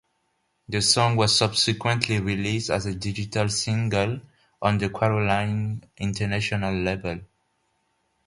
The song was subsequently released as a digital single on the Caroline International label.